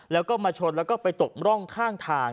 แล้วก็มาชนแล้วก็ไปตกร่องข้างทาง